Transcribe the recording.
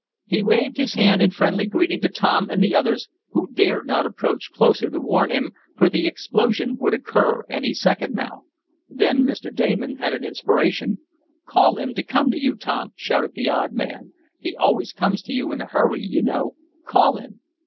He waved his hand in friendly greeting to Tom and the others, who dared not approach closer to warn him, for the explosion would occur any second now. Then Mr. Damon had an inspiration. "Call him to come to you, Tom!" shouted the odd man. "He always comes to you in a hurry, you know. Call him!"